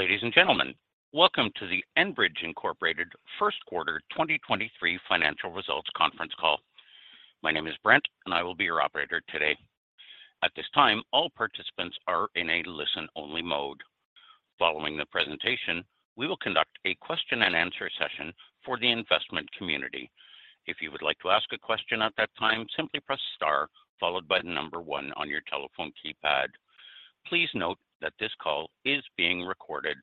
Ladies and gentlemen, welcome to the Enbridge Inc First Quarter 2023 Financial Results Conference Call. My name is Brent, and I will be your operator today. At this time, all participants are in a listen-only mode. Following the presentation, we will conduct a Q&A session for the investment community. If you would like to ask a question at that time, simply press star followed by one on your telephone keypad. Please note that this call is being recorded.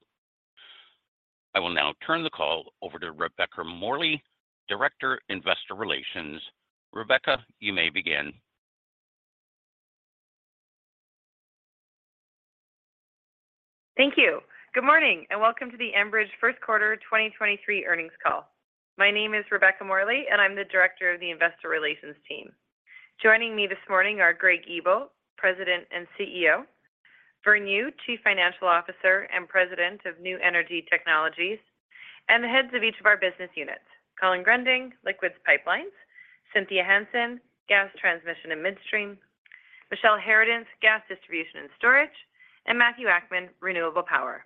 I will now turn the call over to Rebecca Morley, Director of Investor Relations. Rebecca, you may begin. Thank you. Good morning, welcome to the Enbridge Q1 2023 earnings call. My name is Rebecca Morley, I'm the Director of the Investor Relations team. Joining me this morning are Greg Ebel, President and CEO, Vern Yu, Chief Financial Officer and President of New Energy Technologies, the heads of each of our business units, Colin Gruending, Liquids Pipelines, Cynthia Hansen, Gas Transmission and Midstream, Michele Harradence, Gas Distribution and Storage, Matthew Akman, Renewable Power.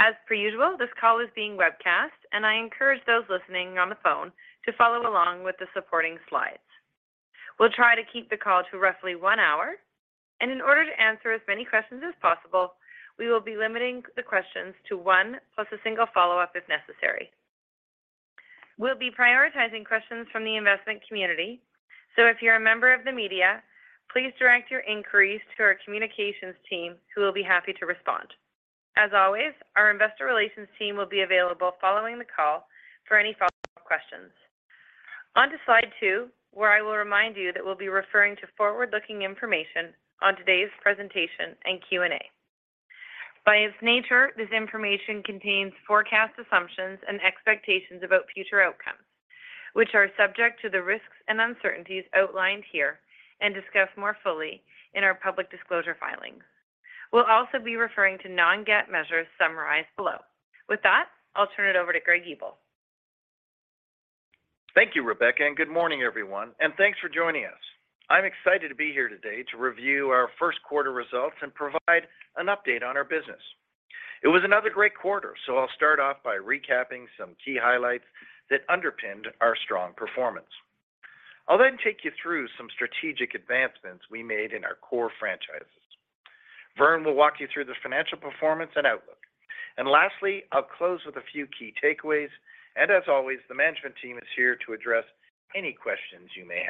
As per usual, this call is being webcast, I encourage those listening on the phone to follow along with the supporting slides. We'll try to keep the call to roughly one hour, in order to answer as many questions as possible, we will be limiting the questions to one plus a single follow-up if necessary. We'll be prioritizing questions from the investment community. If you're a member of the media, please direct your inquiries to our communications team, who will be happy to respond. As always, our investor relations team will be available following the call for any follow-up questions. On to slide two, where I will remind you that we'll be referring to forward-looking information on today's presentation and Q&A. By its nature, this information contains forecast assumptions and expectations about future outcomes, which are subject to the risks and uncertainties outlined here and discussed more fully in our public disclosure filings. We'll also be referring to non-GAAP measures summarized below. With that, I'll turn it over to Greg Ebel. Thank you, Rebecca, and good morning, everyone, and thanks for joining us. I'm excited to be here today to review ourQ1 results and provide an update on our business. It was another great quarter, so I'll start off by recapping some key highlights that underpinned our strong performance. I'll then take you through some strategic advancements we made in our core franchises. Vern will walk you through the financial performance and outlook. Lastly, I'll close with a few key takeaways, and as always, the management team is here to address any questions you may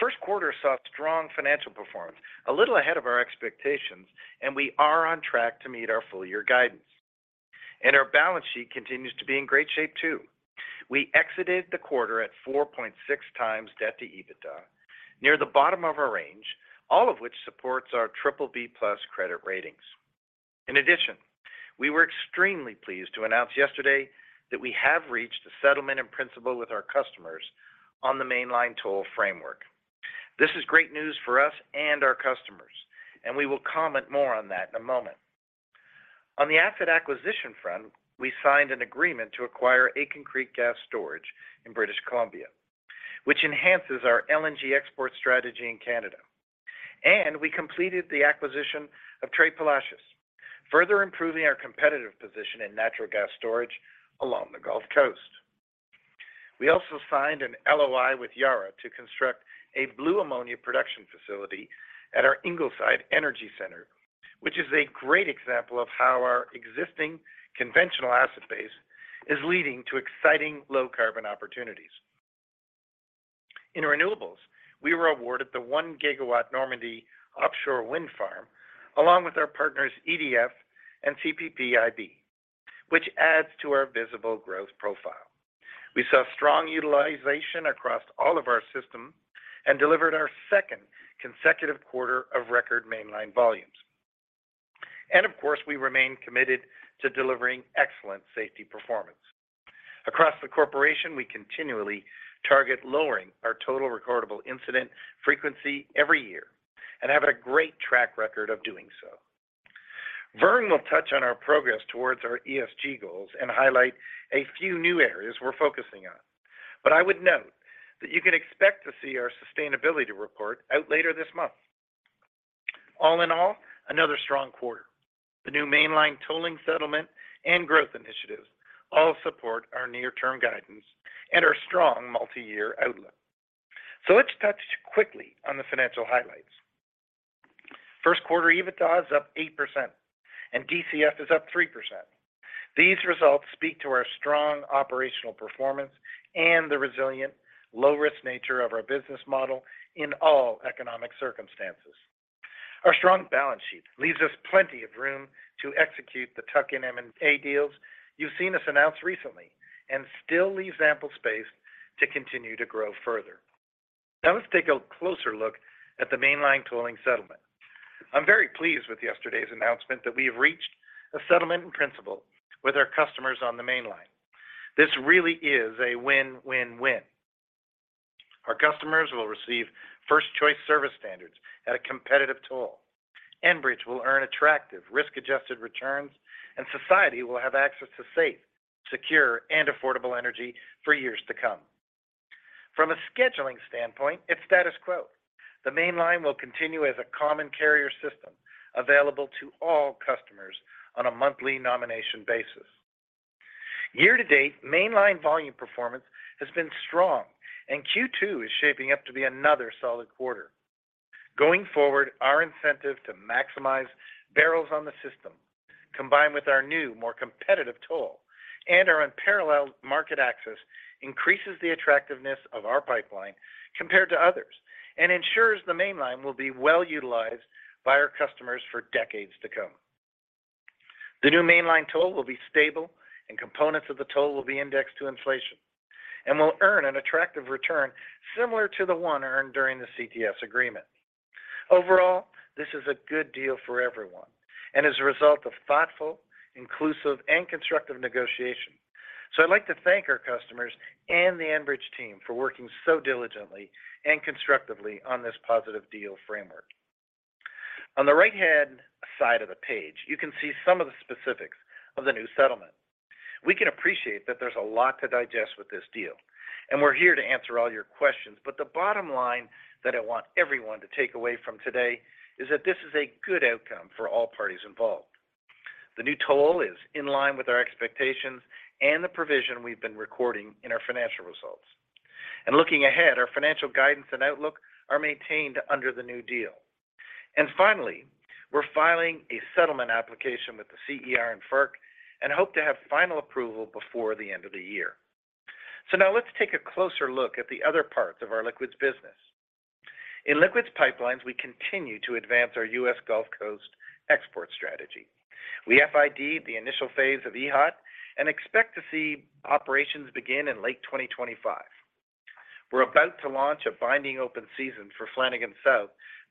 have.Q1 saw strong financial performance a little ahead of our expectations, and we are on track to meet our full-year guidance. Our balance sheet continues to be in great shape, too. We exited the quarter at 4.6x debt to EBITDA, near the bottom of our range, all of which supports our BBB+ credit ratings. In addition, we were extremely pleased to announce yesterday that we have reached a settlement in principle with our customers on the Mainline toll framework. This is great news for us and our customers, and we will comment more on that in a moment. On the asset acquisition front, we signed an agreement to acquire Aitken Creek Gas Storage in British Columbia, which enhances our LNG export strategy in Canada. We completed the acquisition of Tres Palacios, further improving our competitive position in natural gas storage along the Gulf Coast. We also signed an LOI with Yara to construct a blue ammonia production facility at our Ingleside Energy Center, which is a great example of how our existing conventional asset base is leading to exciting low-carbon opportunities. In renewables, we were awarded the 1 GW Normandy offshore wind farm, along with our partners EDF and CPPIB, which adds to our visible growth profile. We saw strong utilization across all of our system and delivered our second consecutive quarter of record Mainline volumes. Of course, we remain committed to delivering excellent safety performance. Across the corporation, we continually target lowering our total recordable incident frequency every year and have a great track record of doing so. Vern will touch on our progress towards our ESG goals and highlight a few new areas we're focusing on. I would note that you can expect to see our sustainability report out later this month. All in all, another strong quarter. The new Mainline Tolling Settlement and growth initiatives all support our near-term guidance and our strong multi-year outlook. Let's touch quickly on the financial highlights. Q1 EBITDA is up 8%, and DCF is up 3%. These results speak to our strong operational performance and the resilient low-risk nature of our business model in all economic circumstances. Our strong balance sheet leaves us plenty of room to execute the tuck-in M&A deals you've seen us announce recently and still leaves ample space to continue to grow further. Let's take a closer look at the Mainline tolling settlement. I'm very pleased with yesterday's announcement that we have reached a settlement in principle with our customers on the Mainline. This really is a win-win-win. Our customers will receive first-choice service standards at a competitive toll. Enbridge will earn attractive risk-adjusted returns, and society will have access to safe, secure, and affordable energy for years to come. From a scheduling standpoint, it's status quo. The Mainline will continue as a common carrier system available to all customers on a monthly nomination basis. Year-to-date, Mainline volume performance has been strong, and Q2 is shaping up to be another solid quarter. Going forward, our incentive to maximize barrels on the system, combined with our new, more competitive toll and our unparalleled market access, increases the attractiveness of our pipeline compared to others and ensures the Mainline will be well-utilized by our customers for decades to come. The new Mainline toll will be stable and components of the toll will be indexed to inflation and will earn an attractive return similar to the one earned during the CTS agreement. Overall, this is a good deal for everyone and is a result of thoughtful, inclusive, and constructive negotiation. I'd like to thank our customers and the Enbridge team for working so diligently and constructively on this positive deal framework. On the right-hand side of the page, you can see some of the specifics of the new settlement. We can appreciate that there's a lot to digest with this deal, and we're here to answer all your questions, but the bottom line that I want everyone to take away from today is that this is a good outcome for all parties involved. The new toll is in line with our expectations and the provision we've been recording in our financial results. Looking ahead, our financial guidance and outlook are maintained under the new deal. Finally, we're filing a settlement application with the CER and FERC and hope to have final approval before the end of the year. Now let's take a closer look at the other parts of our liquids business. In Liquids Pipelines, we continue to advance our U.S. Gulf Coast export strategy. We FID'd the initial phase of EHOT and expect to see operations begin in late 2025. We're about to launch a binding open season for Flanagan South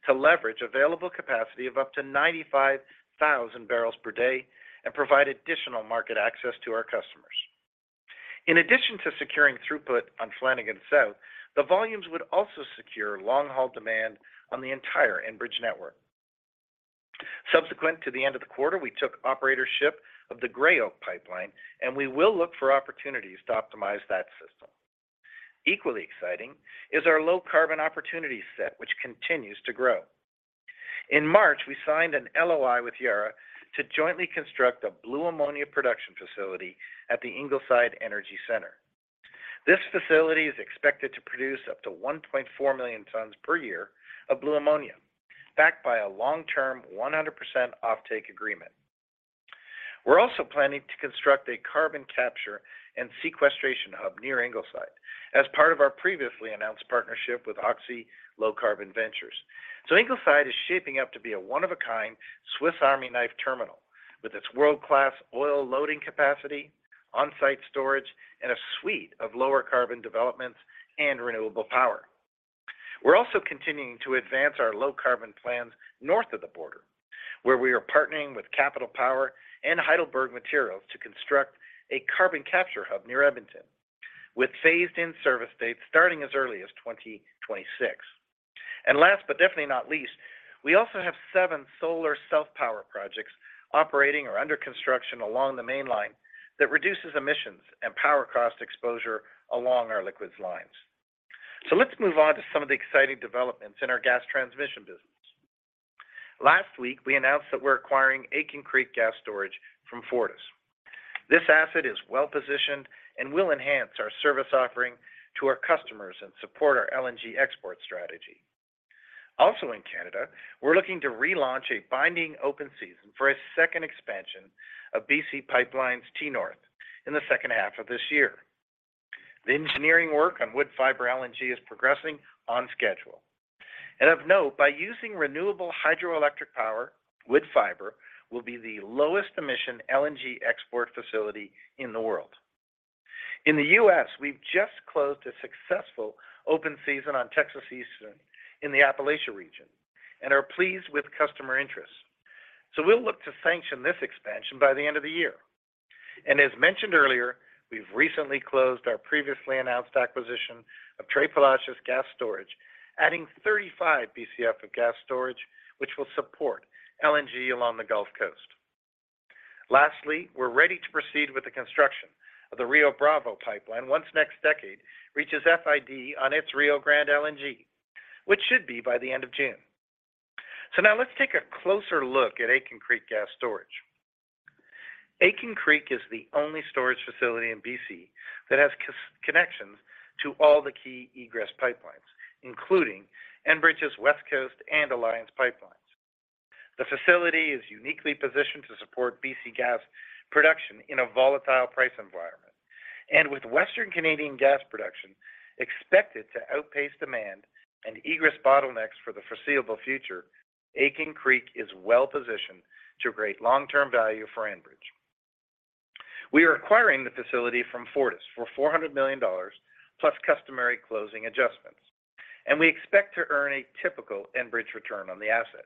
to leverage available capacity of up to 95,000 barrels per day and provide additional market access to our customers. In addition to securing throughput on Flanagan South, the volumes would also secure long-haul demand on the entire Enbridge network. Subsequent to the end of the quarter, we took operatorship of the Gray Oak pipeline, and we will look for opportunities to optimize that system. Equally exciting is our low-carbon opportunity set, which continues to grow. In March, we signed an LOI with Yara to jointly construct a blue ammonia production facility at the Ingleside Energy Center. This facility is expected to produce up to 1.4 million tons per year of blue ammonia, backed by a long-term 100% offtake agreement. We're also planning to construct a carbon capture and sequestration hub near Ingleside as part of our previously announced partnership with Oxy Low Carbon Ventures. Ingleside is shaping up to be a one-of-a-kind Swiss Army knife terminal with its world-class oil loading capacity, on-site storage, and a suite of lower carbon developments and renewable power. We're also continuing to advance our low-carbon plans north of the border, where we are partnering with Capital Power and Heidelberg Materials to construct a carbon capture hub near Edmonton with phased-in service dates starting as early as 2026. Last but definitely not least, we also have seven solar self-power projects operating or under construction along the Mainline that reduces emissions and power cost exposure along our liquids lines. Let's move on to some of the exciting developments in our gas transmission business. Last week, we announced that we're acquiring Aitken Creek Gas Storage from Fortis. This asset is well-positioned and will enhance our service offering to our customers and support our LNG export strategy. In Canada, we're looking to relaunch a binding open season for a second expansion of BC Pipeline's T-North in the H2 of this year. The engineering work on Woodfibre LNG is progressing on schedule. Of note, by using renewable hydroelectric power, Woodfibre will be the lowest emission LNG export facility in the world. In the U.S., we've just closed a successful open season on Texas Eastern in the Appalachia region and are pleased with customer interest, we'll look to sanction this expansion by the end of the year. As mentioned earlier, we've recently closed our previously announced acquisition of Tres Palacios Gas Storage, adding 35 BCF of gas storage, which will support LNG along the Gulf Coast. Lastly, we're ready to proceed with the construction of the Rio Bravo Pipeline once NextDecade reaches FID on its Rio Grande LNG, which should be by the end of June. Now let's take a closer look at Aitken Creek Gas Storage. Aitken Creek is the only storage facility in BC that has connections to all the key egress pipelines, including Enbridge's Westcoast and Alliance Pipeline. The facility is uniquely positioned to support BC gas production in a volatile price environment. With Western Canadian gas production expected to outpace demand and egress bottlenecks for the foreseeable future, Aitken Creek is well-positioned to create long-term value for Enbridge. We are acquiring the facility from Fortis for $400 million+ customary closing adjustments, and we expect to earn a typical Enbridge return on the asset.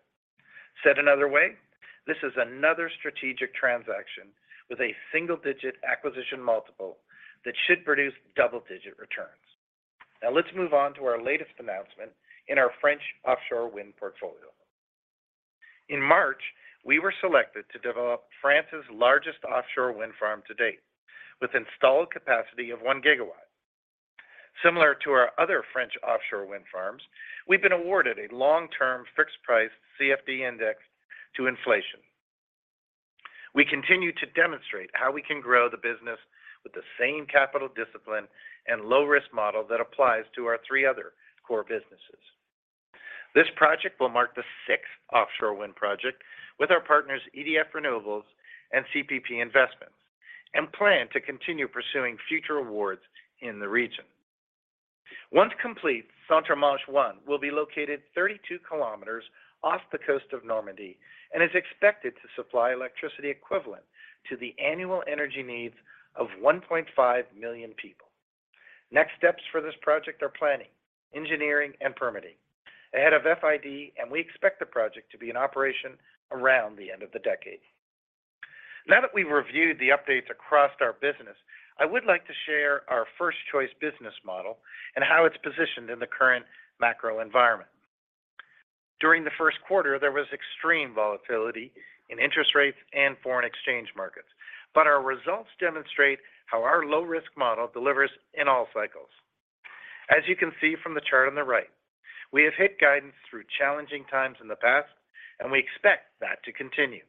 Said another way, this is another strategic transaction with a single-digit acquisition multiple that should produce double-digit returns. Let's move on to our latest announcement in our French offshore wind portfolio. In March, we were selected to develop France's largest offshore wind farm to date with installed capacity of 1 GW. Similar to our other French offshore wind farms, we've been awarded a long-term fixed-price CFD index to inflation. We continue to demonstrate how we can grow the business with the same capital discipline and low-risk model that applies to our three other core businesses. This project will mark the sixth offshore wind project with our partners EDF Renewables and CPP Investments. Plan to continue pursuing future awards in the region. Once complete, Centre Manche 1 will be located 32 km off the coast of Normandy and is expected to supply electricity equivalent to the annual energy needs of 1.5 million people. Next steps for this project are planning, engineering, and permitting. Ahead of FID. We expect the project to be in operation around the end of the decade. Now that we've reviewed the updates across our business, I would like to share our first-choice business model and how it's positioned in the current macro environment. During the Q1, there was extreme volatility in interest rates and foreign exchange markets. Our results demonstrate how our low-risk model delivers in all cycles. As you can see from the chart on the right, we have hit guidance through challenging times in the past, and we expect that to continue.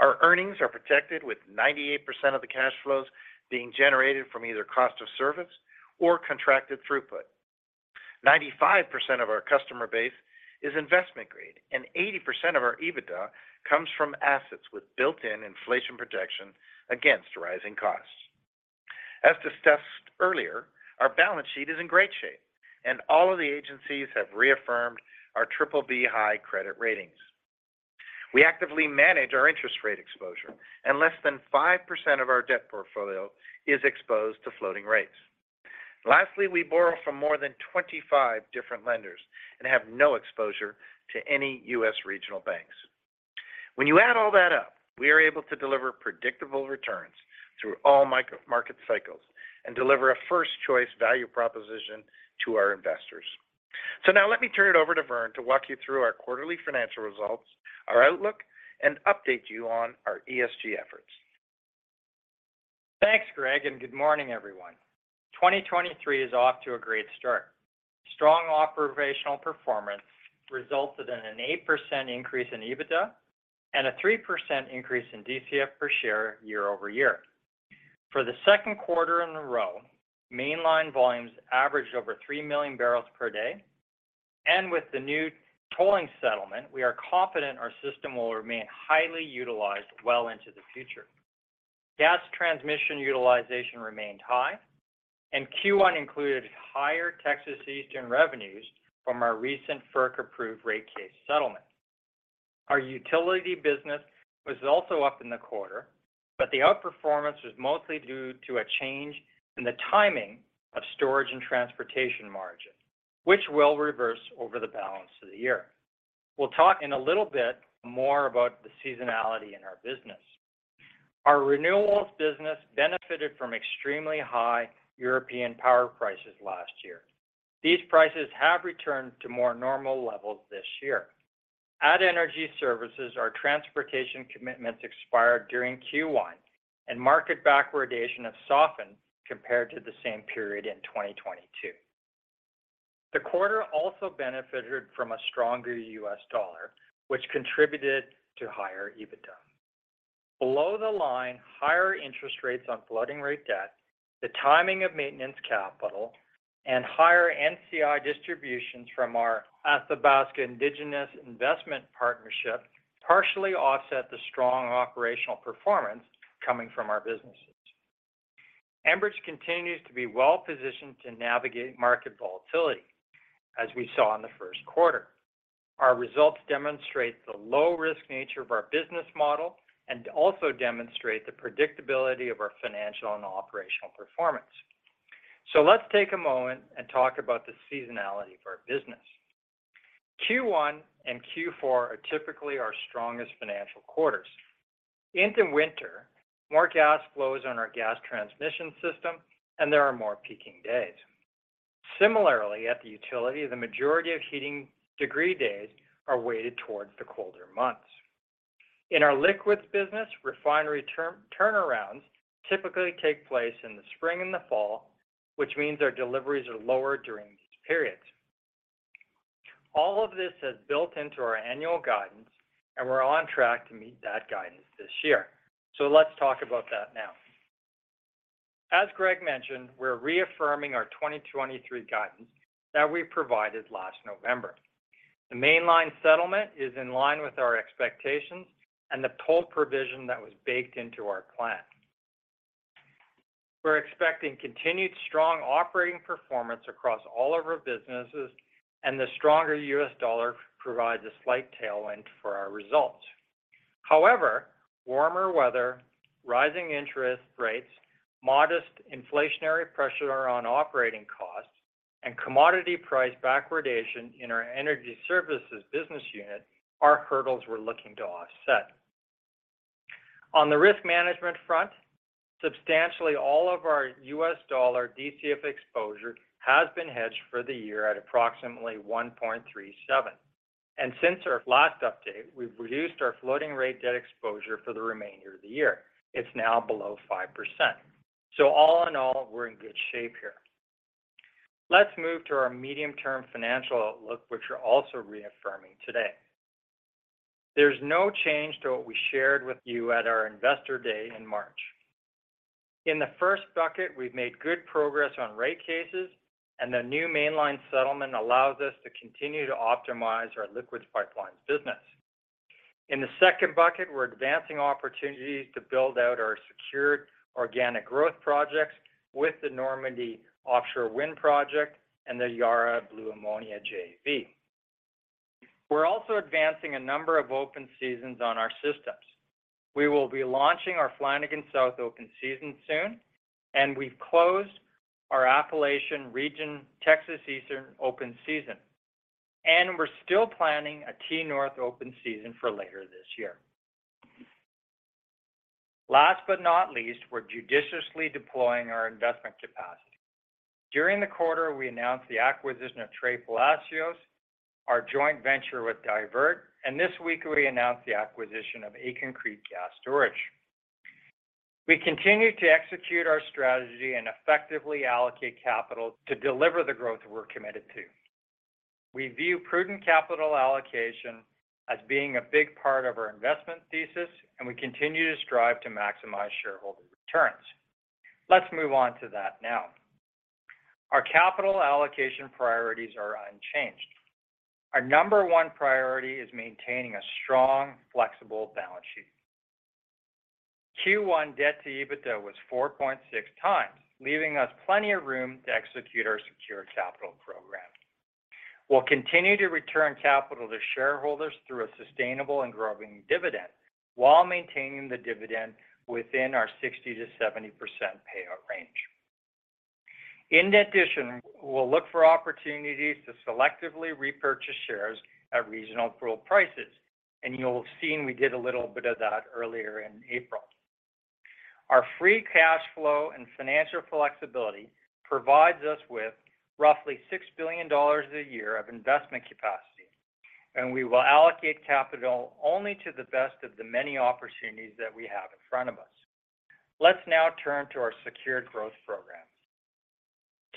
Our earnings are protected with 98% of the cash flows being generated from either cost of service or contracted throughput. 95% of our customer base is investment-grade, and 80% of our EBITDA comes from assets with built-in inflation protection against rising costs. As discussed earlier, our balance sheet is in great shape, and all of the agencies have reaffirmed our Triple B high credit ratings. We actively manage our interest rate exposure, and less than 5% of our debt portfolio is exposed to floating rates. Lastly, we borrow from more than 25 different lenders and have no exposure to any U.S. regional banks. When you add all that up, we are able to deliver predictable returns through all market cycles and deliver a first-choice value proposition to our investors. Now let me turn it over to Vern to walk you through our quarterly financial results, our outlook, and update you on our ESG efforts. Thanks, Greg. Good morning, everyone. 2023 is off to a great start. Strong operational performance resulted in an 8% increase in EBITDA and a 3% increase in DCF per share year-over-year. For the Q2 in a row, Mainline volumes averaged over 3 million barrels per day. With the new tolling settlement, we are confident our system will remain highly utilized well into the future. Gas Transmission utilization remained high. Q1 included higher Texas Eastern revenues from our recent FERC-approved rate case settlement. Our utility business was also up in the quarter. The outperformance was mostly due to a change in the timing of storage and transportation margin, which will reverse over the balance of the year. We'll talk in a little bit more about the seasonality in our business. Our renewables business benefited from extremely high European power prices last year. These prices have returned to more normal levels this year. At Energy Services, our transportation commitments expired during Q1, and market backwardation have softened compared to the same period in 2022. The quarter also benefited from a stronger US dollar, which contributed to higher EBITDA. Below the line, higher interest rates on floating rate debt, the timing of maintenance capital, and higher NCI distributions from our Athabasca Indigenous Investments Partnership partially offset the strong operational performance coming from our businesses. Enbridge continues to be well-positioned to navigate market volatility, as we saw in the Q1. Our results demonstrate the low-risk nature of our business model and also demonstrate the predictability of our financial and operational performance. Let's take a moment and talk about the seasonality of our business. Q1 and Q4 are typically our strongest financial quarters. In the winter, more gas flows on our Gas Transmission system, and there are more peaking days. Similarly, at the utility, the majority of heating degree days are weighted towards the colder months. In our liquids business, refinery turnarounds typically take place in the spring and the fall, which means our deliveries are lower during these periods. All of this is built into our annual guidance, we're on track to meet that guidance this year. Let's talk about that now. As Greg mentioned, we're reaffirming our 2023 guidance that we provided last November. The Mainline settlement is in line with our expectations and the toll provision that was baked into our plan. We're expecting continued strong operating performance across all of our businesses, the stronger U.S. dollar provides a slight tailwind for our results. Warmer weather, rising interest rates, modest inflationary pressure on operating costs, and commodity price backwardation in our Energy Services business unit are hurdles we're looking to offset. On the risk management front, substantially all of our U.S. dollar DCF exposure has been hedged for the year at approximately $1.37. Since our last update, we've reduced our floating rate debt exposure for the remainder of the year. It's now below 5%. All in all, we're in good shape here. Let's move to our medium-term financial outlook, which we're also reaffirming today. There's no change to what we shared with you at our Investor Day in March. In the first bucket, we've made good progress on rate cases, and the new Mainline settlement allows us to continue to optimize our Liquids Pipelines business. In the second bucket, we're advancing opportunities to build out our secured organic growth projects with the Normandy Offshore Wind project and the Yara Blue Ammonia JV. We're also advancing a number of open seasons on our systems. We will be launching our Flanagan South open season soon, and we've closed our Appalachian region Texas Eastern open season. We're still planning a Key North open season for later this year. Last but not least, we're judiciously deploying our investment capacity. During the quarter, we announced the acquisition of Tres Palacios, our joint venture with Divert, and this week we announced the acquisition of Aitken Creek Gas Storage. We continue to execute our strategy and effectively allocate capital to deliver the growth we're committed to. We view prudent capital allocation as being a big part of our investment thesis, and we continue to strive to maximize shareholder returns. Let's move on to that now. Our capital allocation priorities are unchanged. Our number one priority is maintaining a strong, flexible balance sheet. Q1 debt to EBITDA was 4.6x, leaving us plenty of room to execute our secured capital program. We'll continue to return capital to shareholders through a sustainable and growing dividend while maintaining the dividend within our 60%-70% payout range. In addition, we'll look for opportunities to selectively repurchase shares at reasonable prices. You'll have seen we did a little bit of that earlier in April. Our free cash flow and financial flexibility provides us with roughly 6 billion dollars a year of investment capacity, and we will allocate capital only to the best of the many opportunities that we have in front of us. Let's now turn to our secured growth program.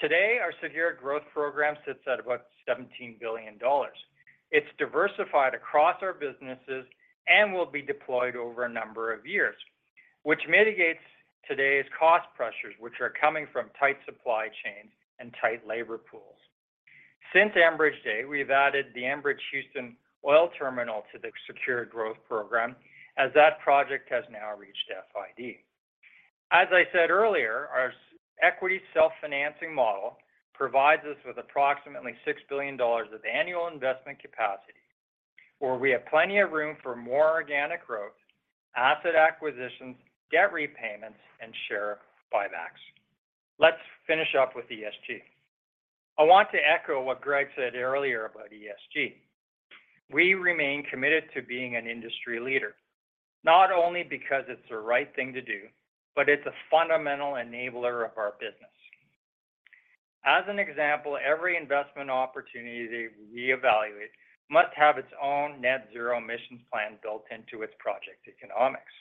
Today, our secured growth program sits at about 17 billion dollars. It's diversified across our businesses and will be deployed over a number of years, which mitigates today's cost pressures, which are coming from tight supply chains and tight labor pools. Since Enbridge Day, we've added the Enbridge Houston Oil Terminal to the secured growth program as that project has now reached FID. As I said earlier, our equity self-financing model provides us with approximately 6 billion dollars of annual investment capacity, where we have plenty of room for more organic growth, asset acquisitions, debt repayments, and share buybacks. Let's finish up with ESG. I want to echo what Greg said earlier about ESG. We remain committed to being an industry leader, not only because it's the right thing to do, but it's a fundamental enabler of our business. As an example, every investment opportunity we evaluate must have its own net zero emissions plan built into its project economics.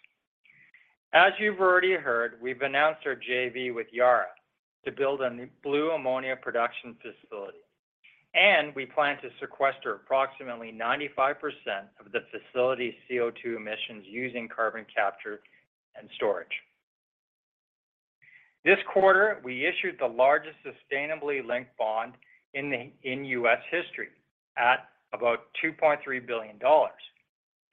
As you've already heard, we've announced our JV with Yara to build a new blue ammonia production facility, and we plan to sequester approximately 95% of the facility's CO2 emissions using carbon capture and storage. This quarter, we issued the largest sustainability-linked bond in U.S. history at about $2.3 billion.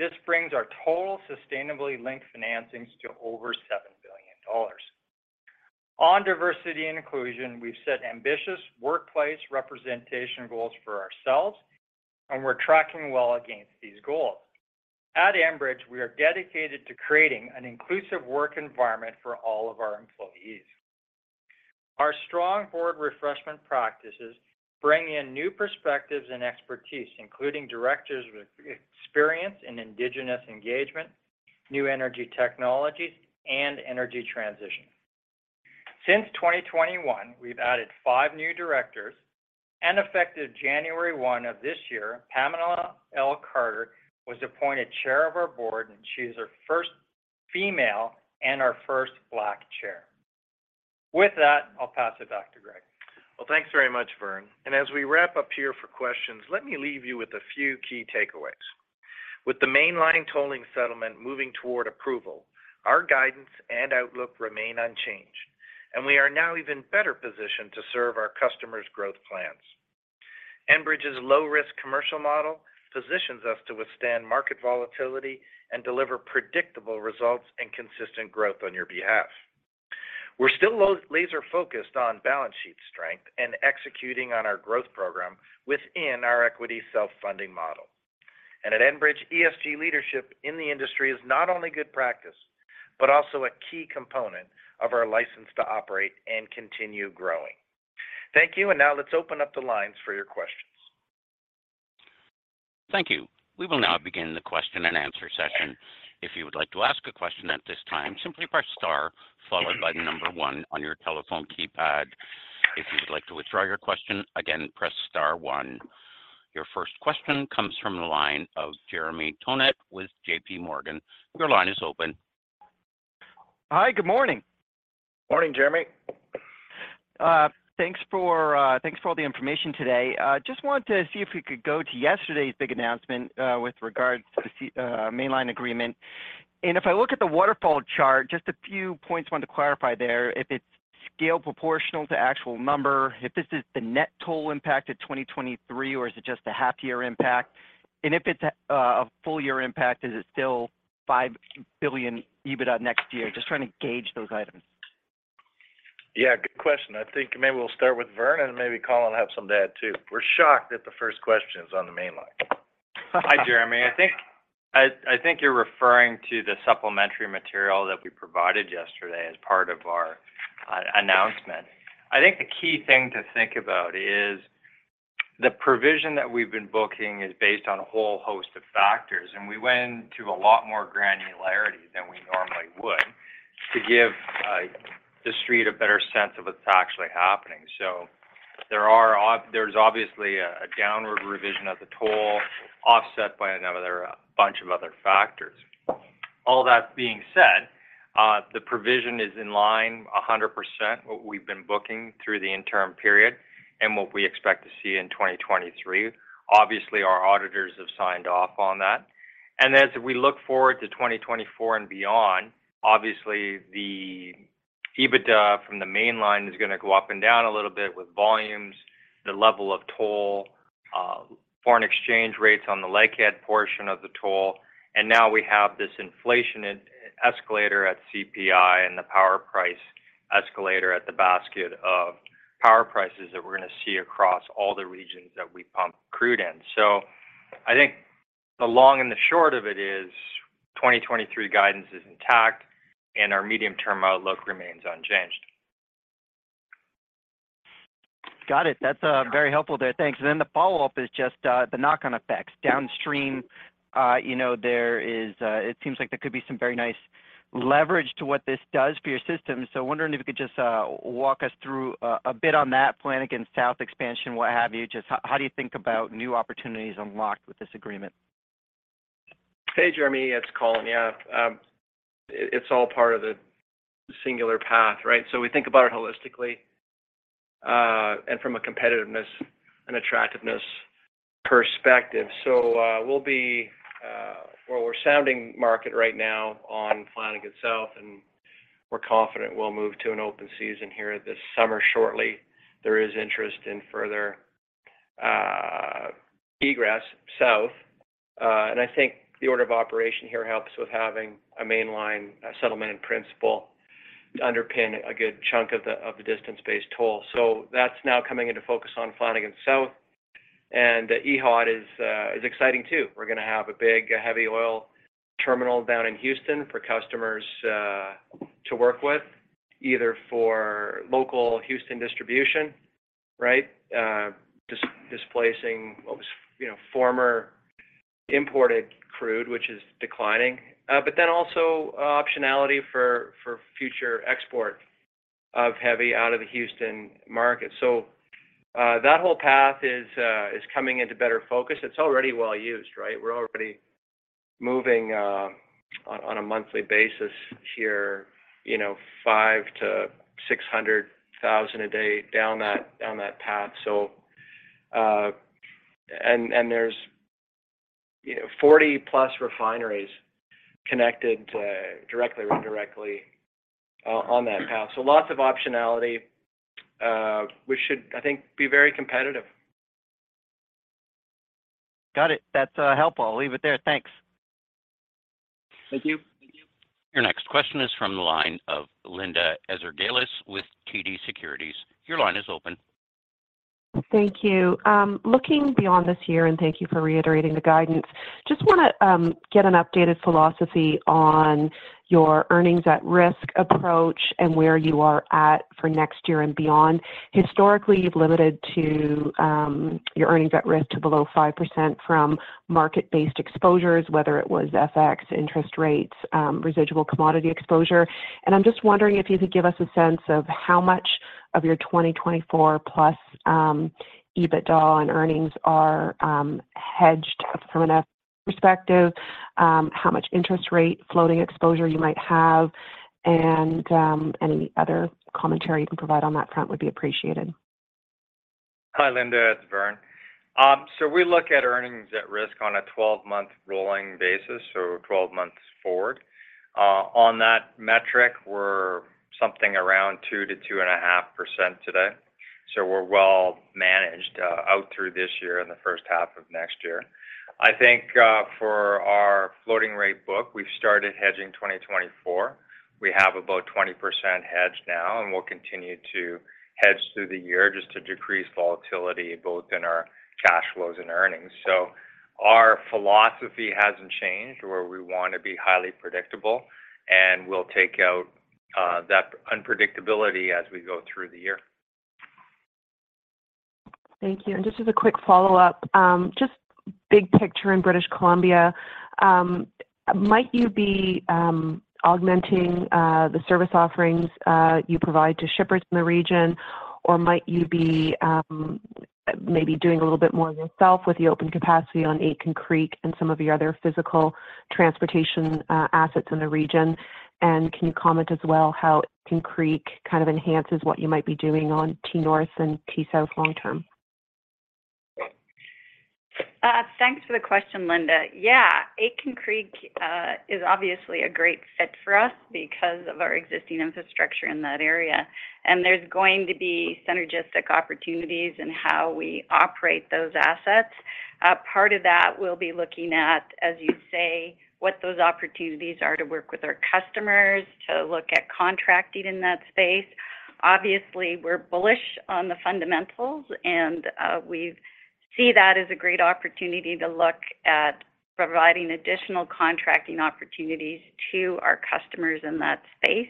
This brings our total sustainability-linked financings to over $7 billion. On diversity and inclusion, we've set ambitious workplace representation goals for ourselves, and we're tracking well against these goals. At Enbridge, we are dedicated to creating an inclusive work environment for all of our employees. Our strong board refreshment practices bring in new perspectives and expertise, including directors with experience in indigenous engagement, New Energy Technologies, and energy transition. Since 2021, we've added five new directors, and effective January 1, 2023 of this year, Pamela L. Carter was appointed Chair of our board, and she is our first female and our first black Chair. With that, I'll pass it back to Greg. Well, thanks very much, Vern. As we wrap up here for questions, let me leave you with a few key takeaways. With the Mainline tolling settlement moving toward approval, our guidance and outlook remain unchanged, and we are now even better positioned to serve our customers' growth plans. Enbridge's low-risk commercial model positions us to withstand market volatility and deliver predictable results and consistent growth on your behalf. We're still laser focused on balance sheet strength and executing on our growth program within our equity self-funding model. At Enbridge, ESG leadership in the industry is not only good practice, but also a key component of our license to operate and continue growing. Thank you. Now let's open up the lines for your questions. Thank you. We will now begin the Q&A session. If you would like to ask a question at this time, simply press star followed by the number one on your telephone keypad. If you would like to withdraw your question, again, press star one. Your first question comes from the line of Jeremy Tonet with JPMorgan. Your line is open. Hi. Good morning. Morning, Jeremy. Thanks for all the information today. Just wanted to see if we could go to yesterday's big announcement with regards to the Mainline agreement. If I look at the waterfall chart, just a few points I wanted to clarify there: if it's scale proportional to actual number, if this is the net toll impact at 2023, or is it just a half-year impact? If it's a full-year impact, is it still 5 billion EBITDA next year? Just trying to gauge those items. Yeah, good question. I think maybe we'll start with Vern and maybe Colin will have some to add too. We're shocked that the first question is on the Mainline. Hi, Jeremy. I think you're referring to the supplementary material that we provided yesterday as part of our announcement. I think the key thing to think about is the provision that we've been booking is based on a whole host of factors, and we went to a lot more granularity than we normally would to give the Street a better sense of what's actually happening. There's obviously a downward revision of the toll offset by another bunch of other factors. All that being said, the provision is in line 100% what we've been booking through the interim period and what we expect to see in 2023. Obviously, our auditors have signed off on that. As we look forward to 2024 and beyond, obviously, the EBITDA from the Mainline is gonna go up and down a little bit with volumes, the level of toll, foreign exchange rates on the Lakehead portion of the toll, and now we have this inflation escalator at CPI and the power price escalator at the basket of power prices that we're gonna see across all the regions that we pump crude in. I think the long and the short of it is, 2023 guidance is intact, and our medium-term outlook remains unchanged. Got it. That's very helpful there. Thanks. The follow-up is just the knock-on effects downstream. You know, there is, it seems like there could be some very nice leverage to what this does for your system. Wondering if you could just walk us through a bit on that Flanagan South expansion, what have you. How do you think about new opportunities unlocked with this agreement? Hey, Jeremy. It's Colin. Yeah. It's all part of the singular path, right? We think about it holistically and from a competitiveness and attractiveness perspective. Well, we're sounding market right now on Flanagan South, and we're confident we'll move to an open season here this summer shortly. There is interest in further egress south. I think the order of operation here helps with having a Mainline settlement in principle underpin a good chunk of the distance-based toll. That's now coming into focus on Flanagan South. EIEC is exciting too. We're gonna have a big heavy oil terminal down in Houston for customers to work with, either for local Houston distribution, right, displacing what was, you know, former imported crude, which is declining, also optionality for future export of heavy out of the Houston market. That whole path is coming into better focus. It's already well used, right? We're already moving on a monthly basis here, you know, 500,000-600,000 a day down that path. And there's, you know, 40+ refineries connected directly or indirectly on that path. Lots of optionality, we should, I think, be very competitive. Got it. That's helpful. I'll leave it there. Thanks. Thank you. Your next question is from the line of Linda Ezergailis with TD Securities. Your line is open. Thank you. Looking beyond this year, and thank you for reiterating the guidance, just wanna get an updated philosophy on your earnings at risk approach and where you are at for next year and beyond. Historically, you've limited to your earnings at risk to below 5% from market-based exposures, whether it was FX, interest rates, residual commodity exposure. I'm just wondering if you could give us a sense of how much of your 2024 plus EBITDA and earnings are hedged from a perspective, how much interest rate floating exposure you might have, and any other commentary you can provide on that front would be appreciated. Hi, Linda. It's Vern. We look at earnings at risk on a 12-month rolling basis, 12 months forward. On that metric, we're something around 2%-2.5% today, so we're well managed out through this year and the H1 of next year. I think, for our floating rate book, we've started hedging 2024. We have about 20% hedged now, and we'll continue to hedge through the year just to decrease volatility both in our cash flows and earnings. Our philosophy hasn't changed, where we wanna be highly predictable, and we'll take out that unpredictability as we go through the year. Thank you. And just as a quick follow-up, just big picture in British Columbia, might you be augmenting the service offerings you provide to shippers in the region? Or might you be maybe doing a little bit more yourself with the open capacity on Aitken Creek and some of your other physical transportation assets in the region? And can you comment as well how Aitken Creek kind of enhances what you might be doing on T-North and T-South long term? Thanks for the question, Linda. Yeah. Aitken Creek is obviously a great fit for us because of our existing infrastructure in that area, and there's going to be synergistic opportunities in how we operate those assets. Part of that we'll be looking at, as you say, what those opportunities are to work with our customers, to look at contracting in that space. Obviously, we're bullish on the fundamentals, and we see that as a great opportunity to look at providing additional contracting opportunities to our customers in that space.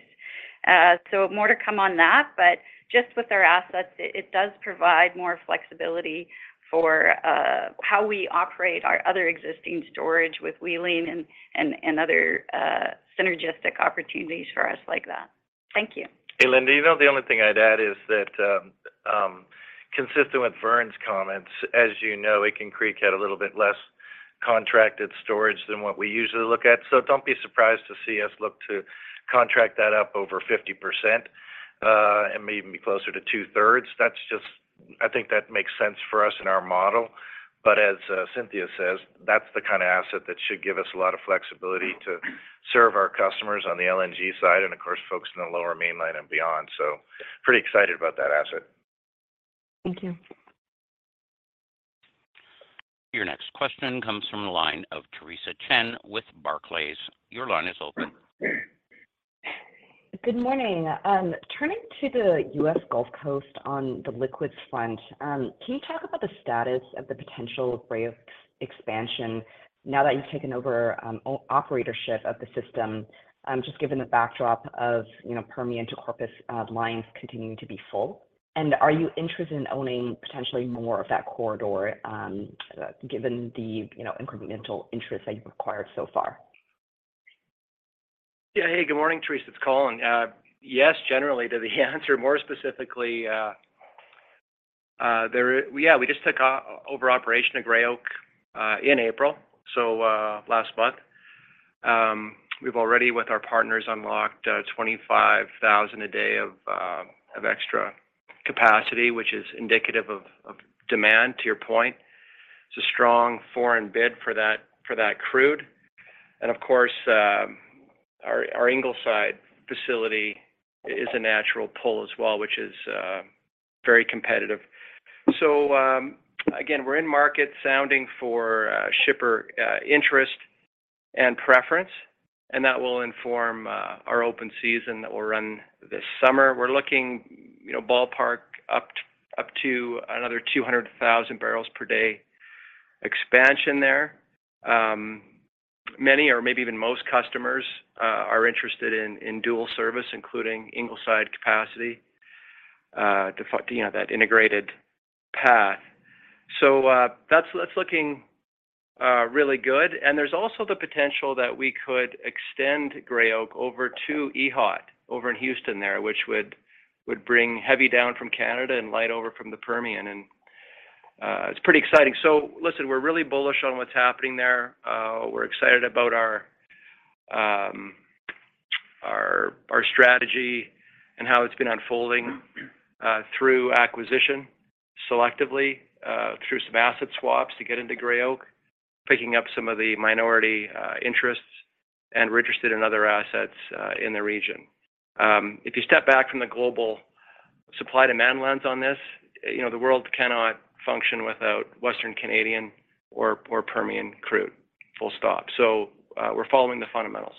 More to come on that, but just with our assets, it does provide more flexibility for how we operate our other existing storage with wheeling and other synergistic opportunities for us like that. Thank you. Hey, Linda. You know, the only thing I'd add is that, consistent with Vern's comments, as you know, Aitken Creek had a little bit less contracted storage than what we usually look at. Don't be surprised to see us look to contract that up over 50%, and maybe even be closer to 2/3. I think that makes sense for us in our model. As Cynthia says, that's the kind of asset that should give us a lot of flexibility to serve our customers on the LNG side and of course, folks in the lower mainland and beyond. Pretty excited about that asset. Thank you. Your next question comes from the line of Theresa Chen with Barclays. Your line is open. Good morning. Turning to the U.S. Gulf Coast on the liquids front, can you talk about the status of the potential of Gray Oak's expansion now that you've taken over operatorship of the system, just given the backdrop of, you know, Permian to Corpus lines continuing to be full? Are you interested in owning potentially more of that corridor, given the, you know, incremental interest that you've acquired so far? Hey, good morning, Theresa Chen. It's Colin. Yes, generally, to the answer. More specifically, we just took over operation of Gray Oak in April, so last month. We've already, with our partners, unlocked 25,000 a day of extra capacity, which is indicative of demand, to your point. Of course, our Ingleside facility is a natural pull as well, which is very competitive. Again, we're in market sounding for shipper interest and preference, and that will inform our open season that will run this summer. We're looking, you know, ballpark up to another 200,000 barrels per day expansion there. Many or maybe even most customers are interested in dual service, including Ingleside capacity, to, you know, that integrated path. That's looking really good, and there's also the potential that we could extend Gray Oak over to EHOT over in Houston there, which would bring heavy down from Canada and light over from the Permian. It's pretty exciting. Listen, we're really bullish on what's happening there. We're excited about our strategy and how it's been unfolding through acquisition selectively, through some asset swaps to get into Gray Oak, picking up some of the minority interests, and we're interested in other assets in the region. If you step back from the global supply-demand lens on this, you know, the world cannot function without Western Canadian or Permian crude, full stop. We're following the fundamentals.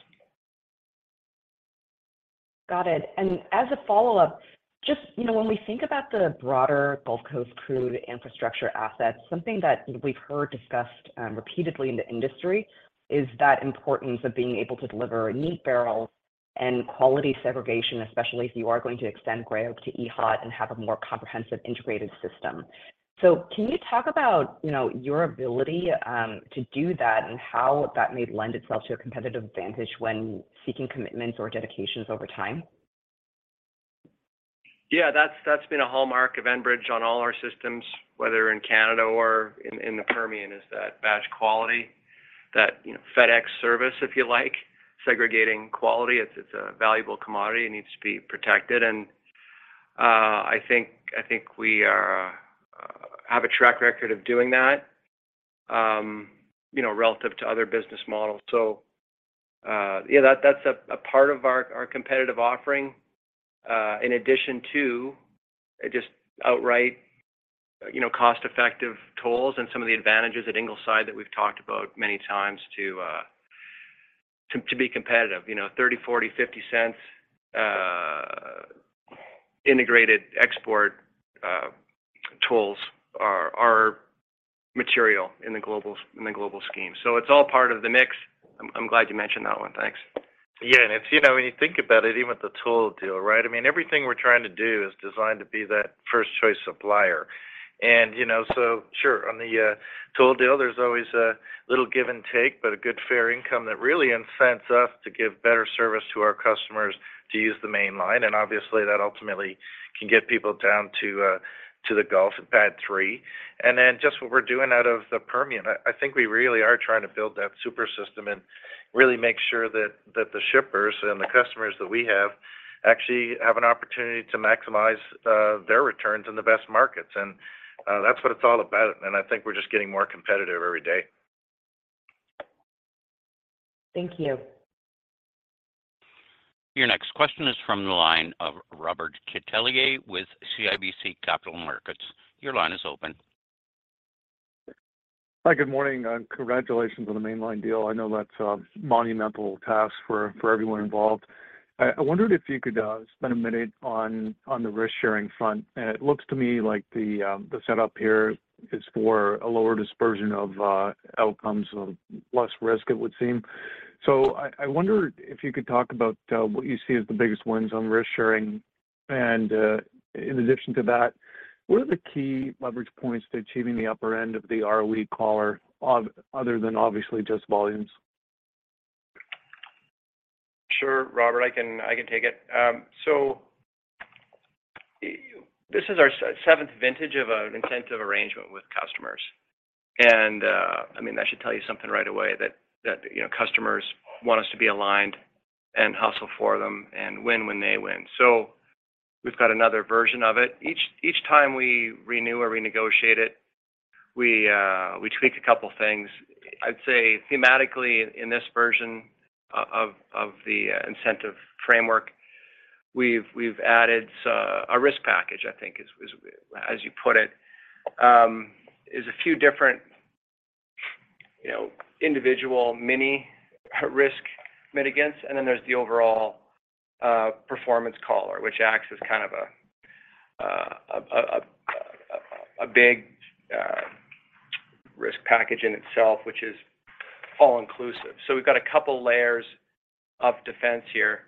Got it. As a follow-up, just, you know, when we think about the broader Gulf Coast crude infrastructure assets, something that we've heard discussed repeatedly in the industry is that importance of being able to deliver neat barrels and quality segregation, especially if you are going to extend Gray Oak to EHOT and have a more comprehensive integrated system. Can you talk about, you know, your ability to do that and how that may lend itself to a competitive advantage when seeking commitments or dedications over time? Yeah, that's been a hallmark of Enbridge on all our systems, whether in Canada or in the Permian, is that batch quality, that, you know, FedEx service, if you like, segregating quality. It's a valuable commodity. It needs to be protected. I think we are have a track record of doing that, you know, relative to other business models. Yeah, that's a part of our competitive offering, in addition to just outright, you know, cost-effective tolls and some of the advantages at Ingleside that we've talked about many times to be competitive. You know, $0.30, $0.40, $0.50 integrated export tolls are material in the global scheme. It's all part of the mix. I'm glad you mentioned that one. Thanks. Yeah. It's, you know, when you think about it, even with the toll deal, right? I mean, everything we're trying to do is designed to be that first choice supplier. You know, so sure, on the toll deal, there's always a little give and take, but a good fair income that really incents us to give better service to our customers to use the Mainline. Obviously, that ultimately can get people down to the Gulf at Pad 3. Then just what we're doing out of the Permian, I think we really are trying to build that super system and really make sure that the shippers and the customers that we have actually have an opportunity to maximize their returns in the best markets. That's what it's all about. I think we're just getting more competitive every day. Thank you. Your next question is from the line of Robert Catellier with CIBC Capital Markets. Your line is open. Hi. Good morning. Congratulations on the Mainline deal. I know that's a monumental task for everyone involved. I wondered if you could spend a minute on the risk-sharing front. It looks to me like the setup here is for a lower dispersion of outcomes or less risk, it would seem. I wonder if you could talk about what you see as the biggest wins on risk sharing. In addition to that, what are the key leverage points to achieving the upper end of the ROE collar other than obviously just volumes? Sure, Robert, I can take it. So this is our seventh vintage of an incentive arrangement with customers. I mean, that should tell you something right away that, you know, customers want us to be aligned and hustle for them and win when they win. We've got another version of it. Each time we renew or renegotiate it, we tweak a couple of things. I'd say thematically in this version of the incentive framework, we've added a risk package, I think is, As you put it. Is a few different, you know, individual mini risk mitigants, and then there's the overall performance collar, which acts as kind of a big risk package in itself, which is all inclusive. We've got a couple of layers of defense here.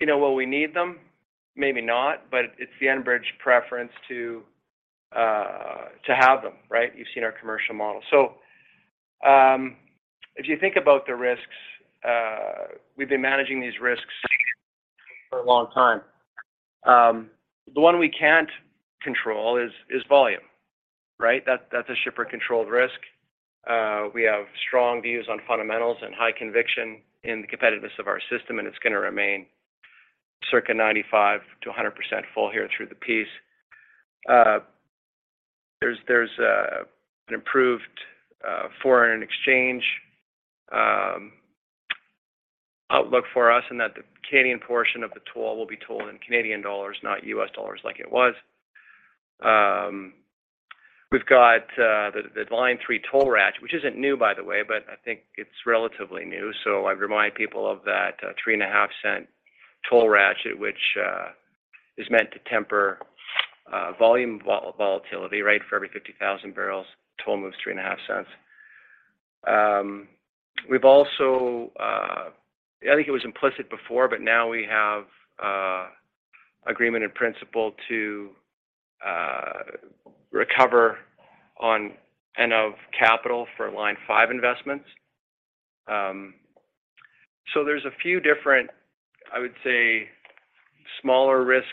You know, will we need them? Maybe not, but it's the Enbridge preference to have them, right? You've seen our commercial model. If you think about the risks, we've been managing these risks for a long time. The one we can't control is volume, right? That's a shipper-controlled risk. We have strong views on fundamentals and high conviction in the competitiveness of our system, and it's gonna remain circa 95%-100% full here through the piece. There's an improved foreign exchange outlook for us in that the Canadian portion of the toll will be tolled in CAD, not USD like it was. We've got the Line 3 toll ratchet, which isn't new, by the way, but I think it's relatively new. I remind people of that three and a half cent toll ratchet, which is meant to temper volume volatility, right? For every 50,000 barrels, toll moves three and a half cents. We've also, I think it was implicit before, but now we have agreement in principle to recover on and of capital for Line 5 investments. There's a few different, I would say, smaller risk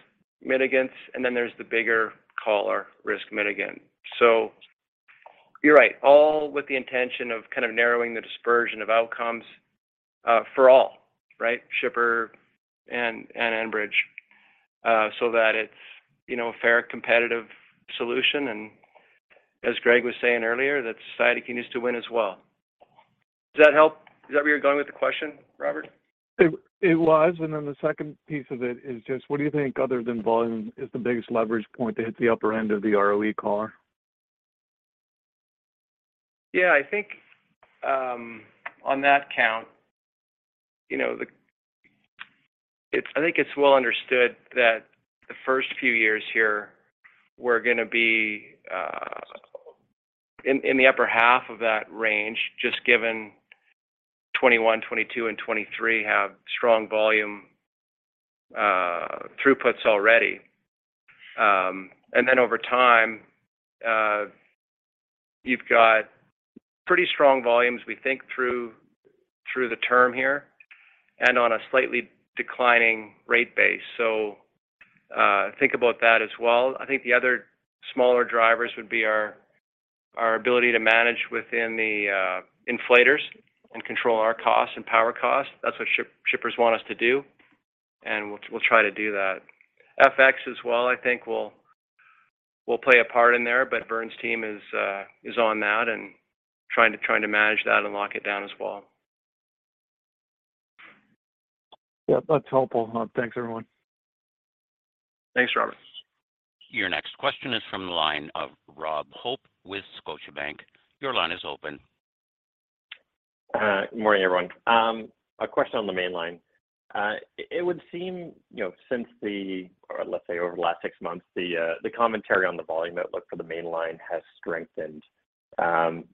mitigants, and then there's the bigger collar risk mitigant. You're right. All with the intention of kind of narrowing the dispersion of outcomes for all, right? Shipper and Enbridge. So that it's, you know, a fair, competitive solution. And as Greg was saying earlier, that society can use to win as well. Does that help? Is that where you're going with the question, Robert? It was. Then the second piece of it is just what do you think other than volume is the biggest leverage point to hit the upper end of the ROE collar? I think, on that count, you know, I think it's well understood that the first few years here, we're gonna be in the upper half of that range, just given 2021, 2022, and 2023 have strong volume throughputs already. Then over time, you've got pretty strong volumes, we think, through the term here and on a slightly declining rate base. Think about that as well. I think the other smaller drivers would be our ability to manage within the inflators and control our costs and power costs. That's what ship-shippers want us to do, and we'll try to do that. FX as well, I think, will play a part in there, Vern's team is on that and trying to manage that and lock it down as well. Yeah. That's helpful. Thanks, everyone. Thanks, Robert. Your next question is from the line of Robert Hope with Scotiabank. Your line is open. Good morning, everyone. A question on the Mainline. It would seem, you know, since or let's say over the last six months, the commentary on the volume outlook for the Mainline has strengthened. And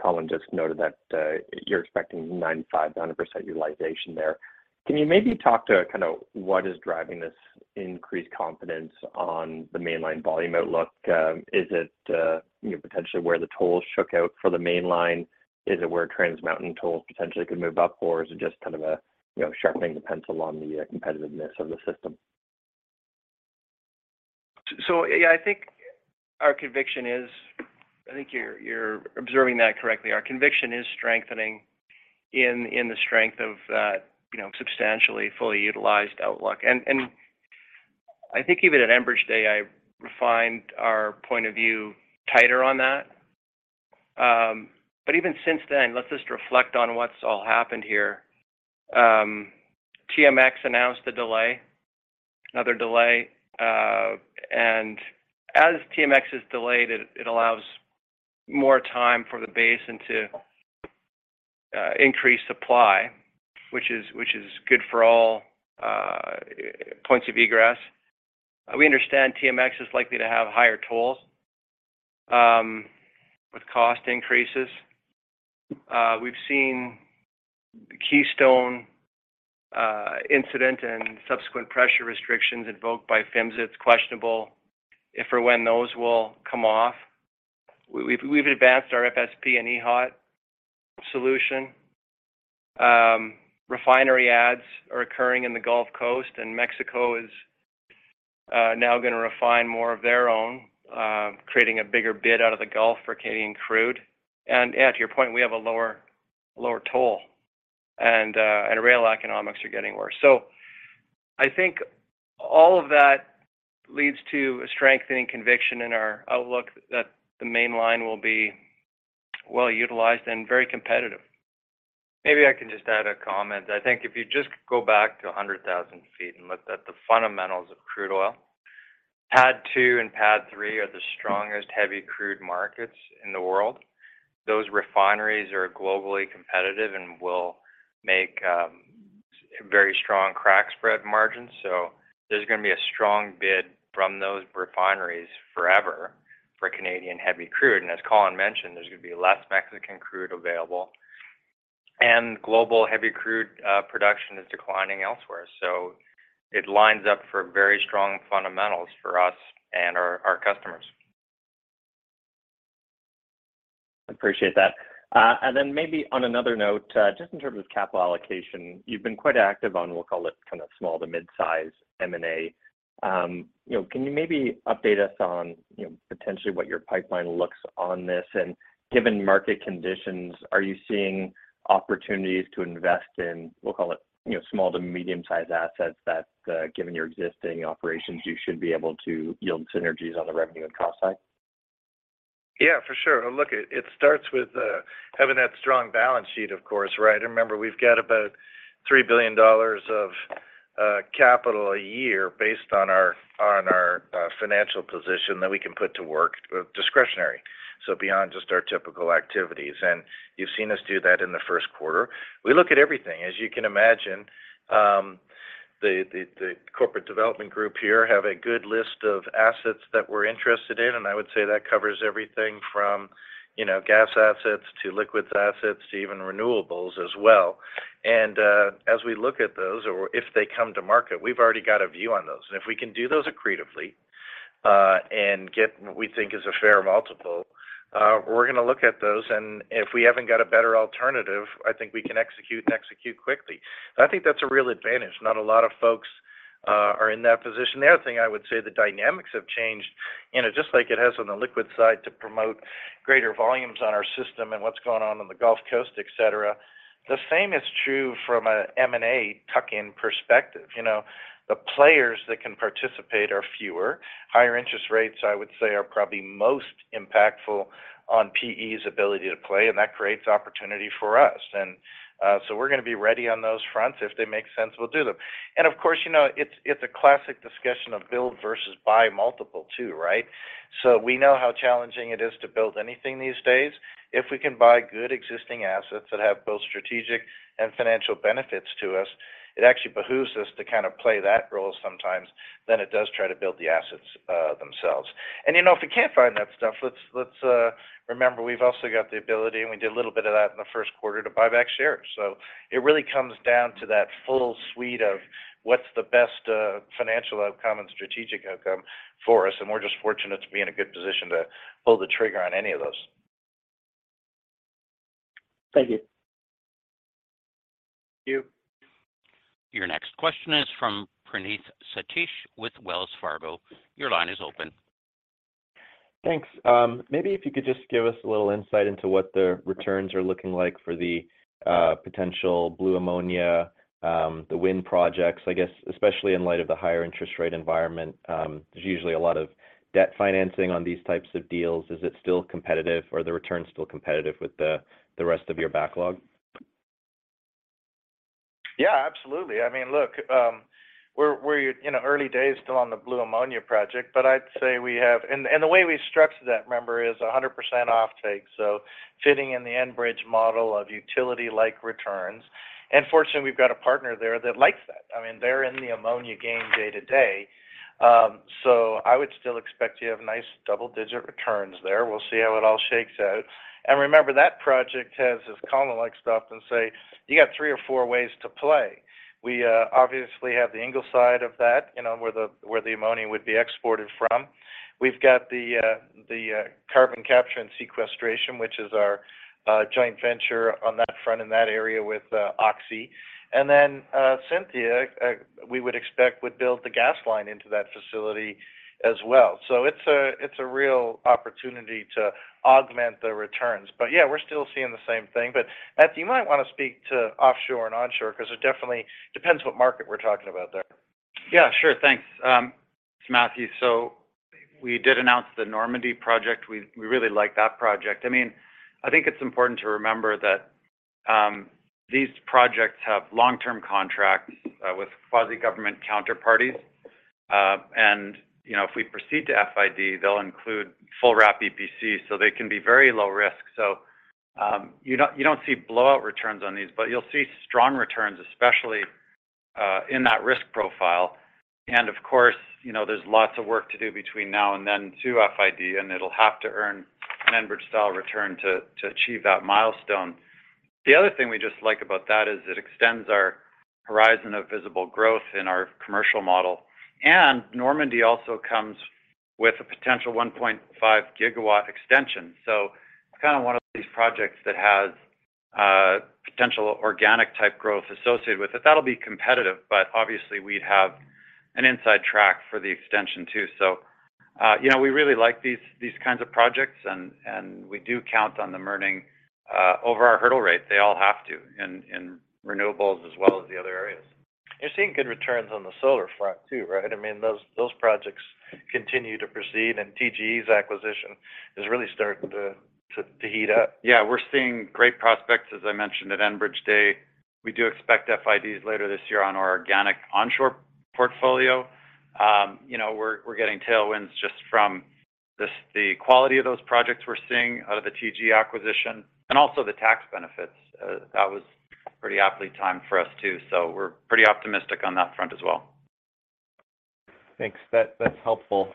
Colin just noted that you're expecting 95%-100% utilization there. Can you maybe talk to kind of what is driving this increased confidence on the Mainline volume outlook? Is it, you know, potentially where the tolls shook out for the Mainline? Is it where Trans Mountain tolls potentially could move up? Is it just kind of a, you know, sharpening the pencil on the competitiveness of the system? Yeah, I think our conviction is, I think you're observing that correctly. Our conviction is strengthening in the strength of, you know, substantially fully utilized outlook. I think even at Enbridge Day, I refined our point of view tighter on that. Even since then, let's just reflect on what's all happened here. TMX announced a delay, another delay. As TMX is delayed, it allows more time for the basin to increase supply, which is good for all points of egress. We understand TMX is likely to have higher tolls with cost increases. We've seen the Keystone incident and subsequent pressure restrictions invoked by PHMSA. It's questionable if or when those will come off. We've advanced our FSP and EHOT solution. Refinery ads are occurring in the Gulf Coast, and Mexico is now gonna refine more of their own, creating a bigger bid out of the Gulf for Canadian crude. To your point, we have a lower toll and rail economics are getting worse. I think all of that leads to a strengthening conviction in our outlook that the Mainline will be well-utilized and very competitive. Maybe I can just add a comment. I think if you just go back to 100,000 ft and look at the fundamentals of crude oil, PADD 2 and PADD 3 are the strongest heavy crude markets in the world. Those refineries are globally competitive and will make very strong crack spread margins. There's gonna be a strong bid from those refineries forever for Canadian heavy crude. As Colin mentioned, there's gonna be less Mexican crude available, and global heavy crude production is declining elsewhere. It lines up for very strong fundamentals for us and our customers. Appreciate that. Maybe on another note, just in terms of capital allocation, you've been quite active on, we'll call it kind of small to mid-size M&A. You know, can you maybe update us on, you know, potentially what your pipeline looks on this? Given market conditions, are you seeing opportunities to invest in, we'll call it, you know, small to medium-sized assets that, given your existing operations, you should be able to yield synergies on the revenue and cost side? For sure. Look, it starts with having that strong balance sheet, of course, right? Remember, we've got about 3 billion dollars of capital a year based on our financial position that we can put to work, discretionary, so beyond just our typical activities. You've seen us do that in the Q1. We look at everything. As you can imagine, the corporate development group here have a good list of assets that we're interested in, I would say that covers everything from, you know, gas assets to liquids assets to even renewables as well. As we look at those or if they come to market, we've already got a view on those. If we can do those accretively, and get what we think is a fair multiple, we're gonna look at those. If we haven't got a better alternative, I think we can execute and execute quickly. I think that's a real advantage. Not a lot of folks are in that position. The other thing I would say, the dynamics have changed, you know, just like it has on the liquid side to promote greater volumes on our system and what's going on in the Gulf Coast, et cetera. The same is true from a M&A tuck-in perspective. You know, the players that can participate are fewer. Higher interest rates, I would say, are probably most impactful on PE's ability to play, and that creates opportunity for us. We're gonna be ready on those fronts. If they make sense, we'll do them. Of course, you know, it's a classic discussion of build versus buy multiple too, right? We know how challenging it is to build anything these days. If we can buy good existing assets that have both strategic and financial benefits to us, it actually behooves us to kind of play that role sometimes than it does try to build the assets themselves. You know, if we can't find that stuff, let's remember, we've also got the ability, and we did a little bit of that in the Q1, to buy back shares. It really comes down to that full suite of what's the best financial outcome and strategic outcome for us, and we're just fortunate to be in a good position to pull the trigger on any of those. Thank you. Thank you. Your next question is from Praneeth Satish with Wells Fargo. Your line is open. Thanks. Maybe if you could just give us a little insight into what the returns are looking like for the potential blue ammonia, the wind projects, I guess especially in light of the higher interest rate environment. There's usually a lot of debt financing on these types of deals. Is it still competitive? Are the returns still competitive with the rest of your backlog? Yeah, absolutely. I mean, look, we're, you know, early days still on the Blue Ammonia project, but I'd say and the way we structured that, remember, is 100% offtake, so fitting in the Enbridge model of utility-like returns. Fortunately, we've got a partner there that likes that. I mean, they're in the ammonia game day-to-day. So I would still expect to have nice double-digit returns there. We'll see how it all shakes out. Remember, that project has, as Colin likes to often say, you got three or four ways to play. We obviously have the Ingleside of that, you know, where the ammonia would be exported from. We've got the carbon capture and sequestration, which is our joint venture on that front in that area with Oxy. Cynthia, we would expect, would build the gas line into that facility as well. It's a real opportunity to augment the returns. Yeah, we're still seeing the same thing. You might want to speak to offshore and onshore because it definitely depends what market we're talking about there. Yeah, sure. Thanks, Matthew. We did announce the Normandy project. We really like that project. I mean, I think it's important to remember that these projects have long-term contracts with quasi-government counterparties. You know, if we proceed to FID, they'll include full wrap EPC, so they can be very low risk. You don't see blowout returns on these, but you'll see strong returns, especially in that risk profile. Of course, you know, there's lots of work to do between now and then to FID, and it'll have to earn an Enbridge-style return to achieve that milestone. The other thing we just like about that is it extends our horizon of visible growth in our commercial model. Normandy also comes with a potential 1.5 GW extension. It's kind of one of these projects that has potential organic-type growth associated with it. That'll be competitive, but obviously, we'd have an inside track for the extension, too. You know, we really like these kinds of projects and we do count on them earning over our hurdle rates. They all have to in renewables as well as the other areas. You're seeing good returns on the solar front too, right? I mean, those projects continue to proceed. TGE's acquisition is really starting to heat up. Yeah, we're seeing great prospects, as I mentioned at Enbridge Day. We do expect FIDs later this year on our organic onshore portfolio. You know, we're getting tailwinds just from this, the quality of those projects we're seeing out of the TGE acquisition and also the tax benefits. That was pretty aptly timed for us, too. We're pretty optimistic on that front as well. Thanks. That's helpful.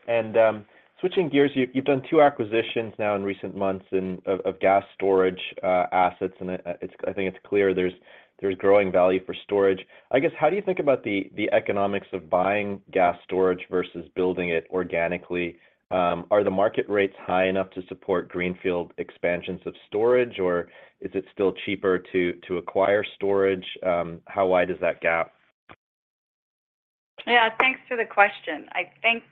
Switching gears, you've done two acquisitions now in recent months of gas storage assets, I think it's clear there's growing value for storage. I guess, how do you think about the economics of buying gas storage versus building it organically? Are the market rates high enough to support greenfield expansions of storage, or is it still cheaper to acquire storage? How wide is that gap? Yeah. Thanks for the question. I think,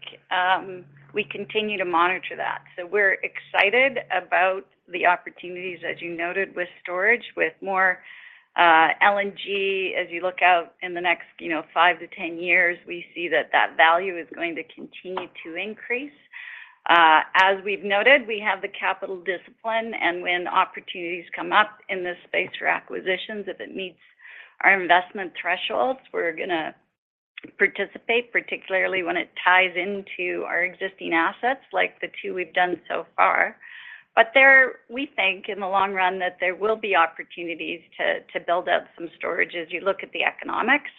we continue to monitor that. We're excited about the opportunities, as you noted, with storage. With more LNG, as you look out in the next, you know, 5 years-10 years, we see that that value is going to continue to increase. As we've noted, we have the capital discipline, and when opportunities come up in this space for acquisitions, if it meets our investment thresholds, we're gonna participate, particularly when it ties into our existing assets, like the two we've done so far. There, we think in the long run that there will be opportunities to build out some storage as you look at the economics.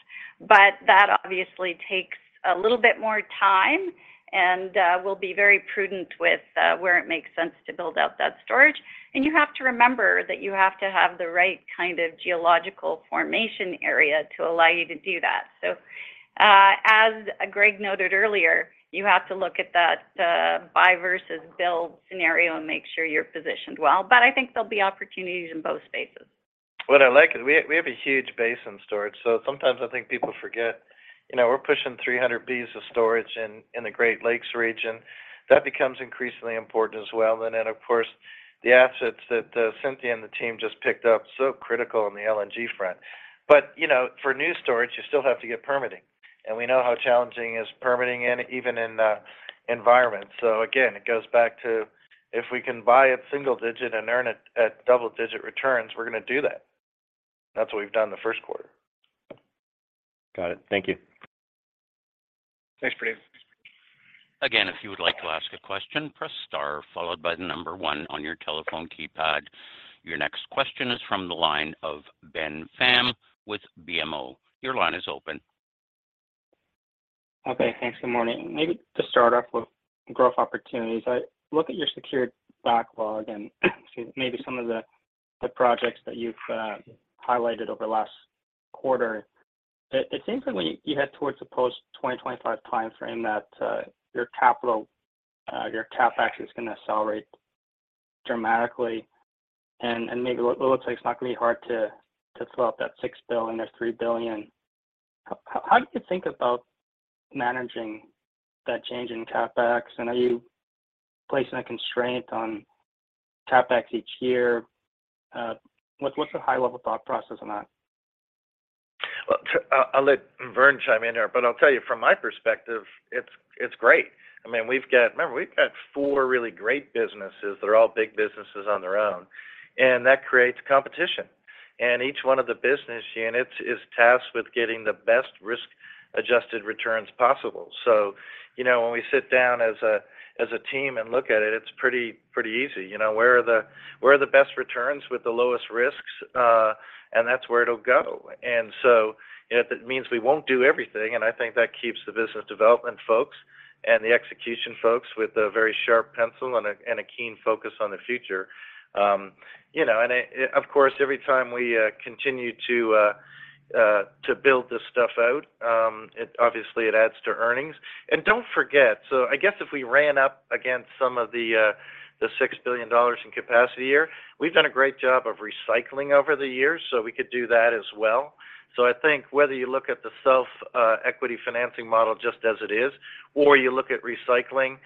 That obviously takes a little bit more time and, we'll be very prudent with, where it makes sense to build out that storage. You have to remember that you have to have the right kind of geological formation area to allow you to do that. As Greg noted earlier, you have to look at that buy versus build scenario and make sure you're positioned well. I think there'll be opportunities in both spaces. What I like is we have a huge base in storage. Sometimes I think people forget, you know, we're pushing 300 BCF of storage in the Great Lakes region. That becomes increasingly important as well. Then, of course, the assets that Cynthia and the team just picked up, so critical on the LNG front. You know, for new storage, you still have to get permitting, and we know how challenging is permitting in even in the environment. Again, it goes back to if we can buy it single-digit and earn it at double-digit returns, we're going to do that. That's what we've done in the Q1. Got it. Thank you. Thanks. Operator? Again, if you would like to ask a question, press star followed by one on your telephone keypad. Your next question is from the line of Ben Pham with BMO. Your line is open. Okay, thanks. Good morning. To start off with growth opportunities. I look at your secured backlog and excuse me, maybe some of the projects that you've highlighted over the last quarter. It seems like when you head towards the post-2025 timeframe that your capital, your CapEx is going to accelerate dramatically. Maybe it looks like it's not going to be hard to fill up that 6 billion or 3 billion. How do you think about managing that change in CapEx? Are you placing a constraint on CapEx each year? What's the high-level thought process on that? Well, I'll let Vern chime in here, but I'll tell you from my perspective, it's great. I mean, we've got remember, we've got four really great businesses that are all big businesses on their own, and that creates competition. Each one of the business units is tasked with getting the best risk-adjusted returns possible. So, you know, when we sit down as a team and look at it's pretty easy, you know? Where are the best returns with the lowest risks? That's where it'll go. If it means we won't do everything, and I think that keeps the business development folks and the execution folks with a very sharp pencil and a keen focus on the future. You know, and it of course, every time we continue to build this stuff out, it obviously adds to earnings. Don't forget, I guess if we ran up against some of the 6 billion dollars in capacity here, we've done a great job of recycling over the years. We could do that as well. I think whether you look at the self equity financing model just as it is, or you look at recycling,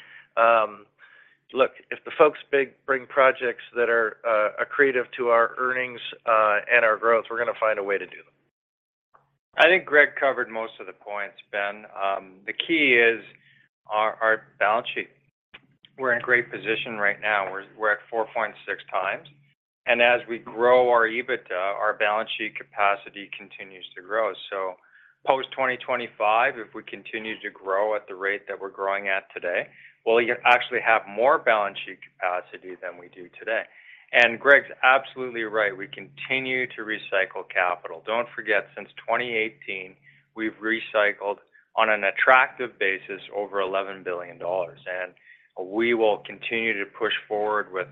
look, if the folks bring projects that are accretive to our earnings and our growth, we're gonna find a way to do them. I think Greg covered most of the points, Ben. The key is our balance sheet. We're in great position right now. We're at 4.6x and as we grow our EBITDA, our balance sheet capacity continues to grow. Post-2025, if we continue to grow at the rate that we're growing at today, we'll actually have more balance sheet capacity than we do today. Greg's absolutely right, we continue to recycle capital. Don't forget, since 2018, we've recycled on an attractive basis over 11 billion dollars, and we will continue to push forward with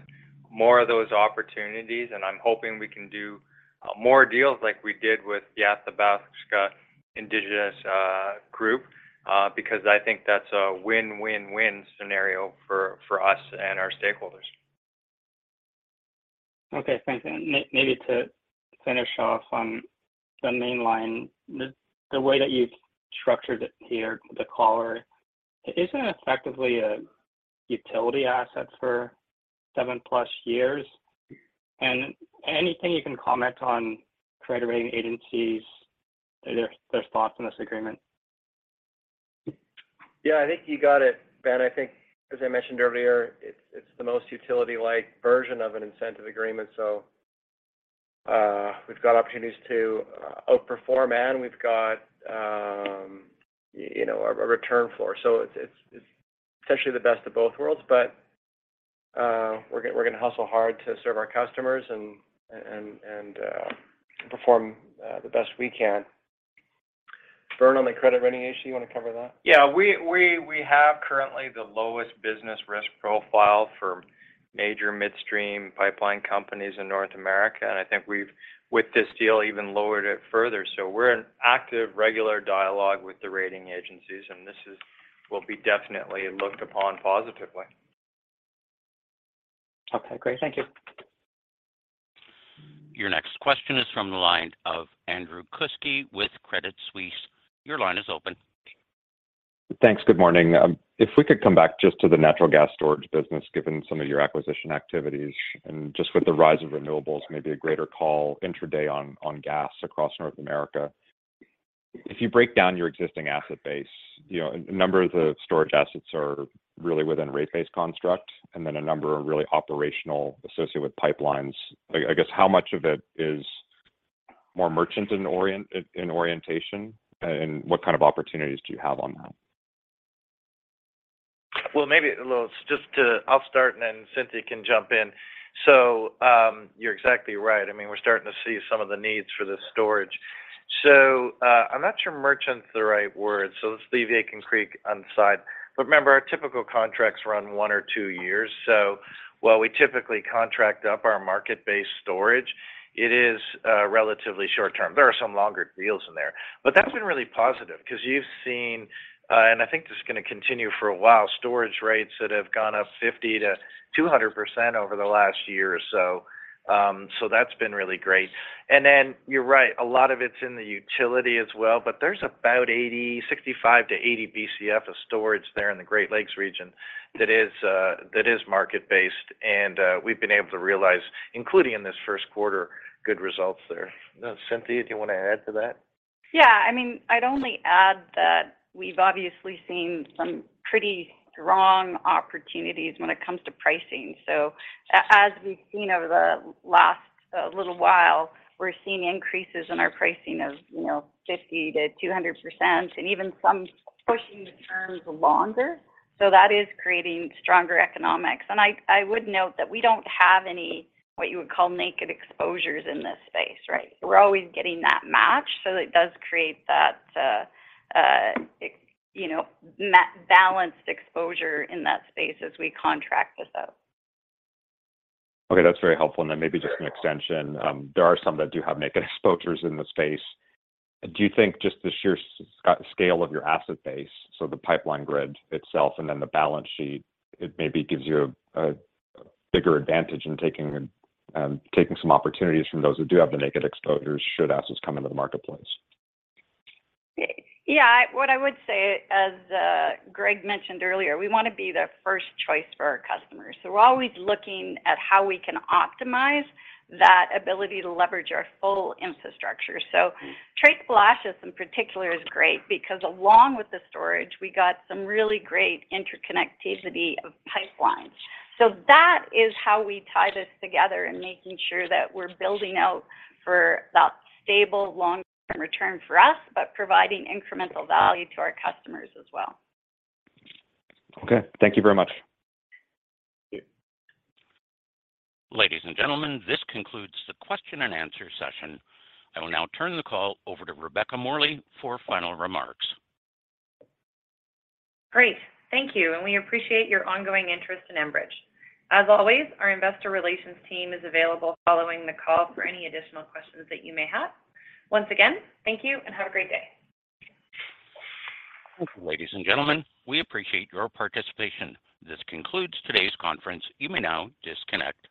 more of those opportunities, and I'm hoping we can do more deals like we did with the Athabasca Indigenous Investments, because I think that's a win-win-win scenario for us and our stakeholders. Okay, thanks. Maybe to finish off on the Mainline, the way that you've structured it here, the collar, is it effectively a utility asset for 7+ years? Anything you can comment on credit rating agencies, their thoughts on this agreement? Yeah, I think you got it, Ben. I think, as I mentioned earlier, it's the most utility-like version of an incentive agreement, so, we've got opportunities to outperform, and we've got, you know, a return floor. It's essentially the best of both worlds, but, we're gonna hustle hard to serve our customers and perform the best we can. Vern, on the credit rating issue, you wanna cover that? Yeah. We have currently the lowest business risk profile for major midstream pipeline companies in North America, and I think we've, with this deal, even lowered it further. We're in active, regular dialogue with the rating agencies, and will be definitely looked upon positively. Okay, great. Thank you. Your next question is from the line of Andrew Kuske with Credit Suisse. Your line is open. Thanks. Good morning. If we could come back just to the natural gas storage business, given some of your acquisition activities, just with the rise of renewables, maybe a greater call intraday on gas across North America. If you break down your existing asset base, you know, a number of the storage assets are really within rate-based construct, and then a number are really operational, associated with pipelines. Like, I guess, how much of it is more merchant in orientation, and what kind of opportunities do you have on that? Well. I'll start, and then Cynthia can jump in. You're exactly right. I mean, we're starting to see some of the needs for the storage. I'm not sure merchant's the right word, so let's leave Aitken Creek on the side. Remember, our typical contracts run one or two years, so while we typically contract up our market-based storage, it is relatively short-term. There are some longer deals in there, but that's been really positive, 'cause you've seen, and I think this is gonna continue for a while, storage rates that have gone up 50% to 200% over the last year or so. That's been really great. You're right, a lot of it's in the utility as well, but there's about 80, 65-80 BCF of storage there in the Great Lakes region that is market-based, and we've been able to realize, including in this Q1, good results there. Cynthia, do you want to add to that? Yeah, I mean, I'd only add that we've obviously seen some pretty strong opportunities when it comes to pricing. As we've seen over the last little while, we're seeing increases in our pricing of, you know, 50%-200%, and even some pushing the terms longer. That is creating stronger economics. I would note that we don't have any, what you would call, naked exposures in this space, right? We're always getting that match, so it does create that, you know, balanced exposure in that space as we contract this out. Okay, that's very helpful. Then maybe just an extension. There are some that do have naked exposures in the space. Do you think just the sheer scale of your asset base, so the pipeline grid itself and then the balance sheet, it maybe gives you a bigger advantage in taking some opportunities from those who do have the naked exposures should assets come into the marketplace? What I would say, as Greg mentioned earlier, we wanna be the first choice for our customers. We're always looking at how we can optimize that ability to leverage our full infrastructure. Tres Palacios in particular is great because along with the storage, we got some really great interconnectivity of pipelines. That is how we tie this together and making sure that we're building out for that stable long-term return for us, but providing incremental value to our customers as well. Okay. Thank you very much. Thank you. Ladies and gentlemen, this concludes the Q&A session. I will now turn the call over to Rebecca Morley for final remarks. Great. Thank you. We appreciate your ongoing interest in Enbridge. As always, our investor relations team is available following the call for any additional questions that you may have. Once again, thank you and have a great day. Thank you. Ladies and gentlemen, we appreciate your participation. This concludes today's conference. You may now disconnect.